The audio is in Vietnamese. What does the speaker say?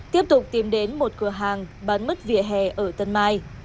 tiếp tục tìm đến một cửa hàng bán mứt vỉa hè ở tân mai